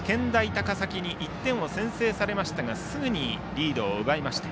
高崎に１点を先制されましたがすぐにリードを奪いました。